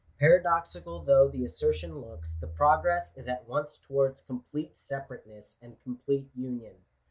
Paradoxical though the asser 1 tion looks, the progress is at once towards complete separate ness and complete union.